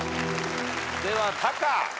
ではタカ。